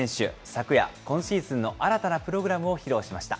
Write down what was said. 昨夜、今シーズンの新たなプログラムを披露しました。